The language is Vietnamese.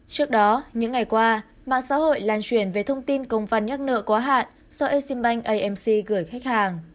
trước đó những ngày qua mạng xã hội lan truyền về thông tin công văn nhắc nợ quá hạn do exim bank amc gửi khách hàng